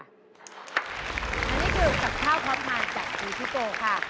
อันนี้คือกับข้าวท็อปมาร์จจากอีทิโภค่ะ